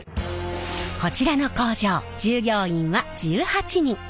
こちらの工場従業員は１８人。